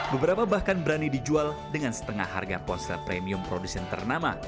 beberapa bahkan berani dijual dengan setengah harga ponsel premium produsen ternama